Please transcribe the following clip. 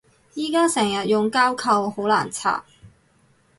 而家成日用膠扣好難拆